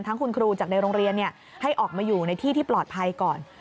คุณครูจากในโรงเรียนให้ออกมาอยู่ในที่ที่ปลอดภัยก่อน